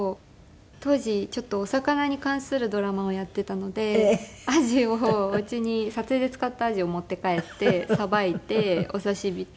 当時ちょっとお魚に関するドラマをやっていたのでアジをお家に撮影で使ったアジを持って帰ってさばいてお刺し身と。